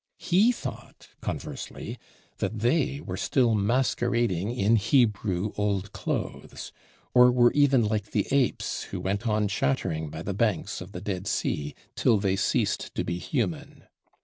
He thought, conversely, that they were still masquerading in "Hebrew old clothes," or were even like the apes who went on chattering by the banks of the Dead Sea, till they ceased to be human.